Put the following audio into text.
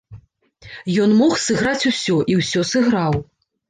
Ён мог сыграць усё, і ўсё сыграў.